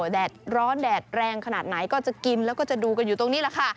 แดดร้อนแดดแรงขนาดไหนก็จะกินแล้วก็จะดูกันอยู่ตรงนี้แหละค่ะ